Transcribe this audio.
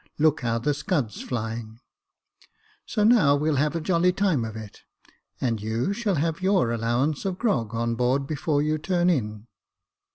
Look how the scud's flying ; so now we'll have a jolly time of it, and you shall have your allowance of grog on board before you turn in."